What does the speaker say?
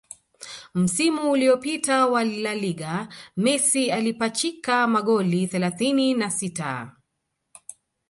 Msimu uliopita wa La Liga Messi alipachika magoli thelathini na sita